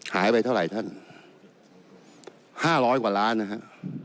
หายไปเท่าไหร่ท่าน๕๐๐กว่าล้านนะฮะ